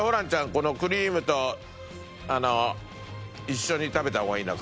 このクリームとあの一緒に食べた方がいいの？